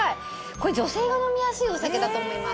これ女性が飲みやすいお酒だと思います。